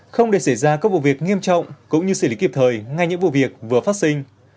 không để xảy ra các vụ việc nghiêm trọng cũng như xử lý kịp thời ngay những vụ việc vừa phát sinh